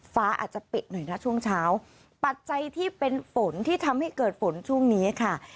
อาจจะปิดหน่อยนะช่วงเช้าปัจจัยที่เป็นฝนที่ทำให้เกิดฝนช่วงนี้ค่ะ